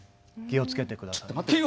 気をつけて下さい？